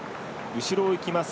後ろを行きます